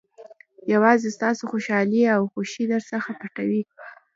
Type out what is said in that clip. یوازې ستاسو خوشالۍ او خوښۍ درڅخه پټوي.